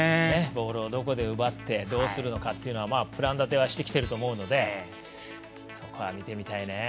ボールをどこで奪ってどうするのかっていうのはプラン立てはしてきてると思うので、そこは見ていきたいね。